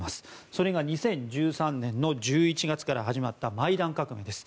それが２０１３年の１１月から始まったマイダン革命です。